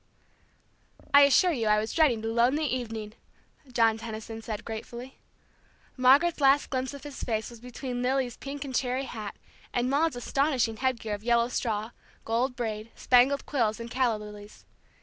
"I assure you I was dreading the lonely evening," John Tenison said gratefully. Margaret's last glimpse of his face was between Lily's pink and cherry hat, and Maude's astonishing headgear of yellow straw, gold braid, spangled quills, and calla lilies.